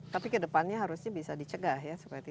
tapi kedepannya harusnya bisa dicegah ya